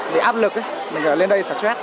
để áp lực mình lên đây sẽ stress